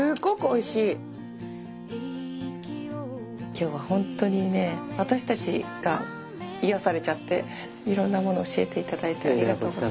今日はホントにね私たちが癒やされちゃっていろんなもの教えていただいてありがとうございました。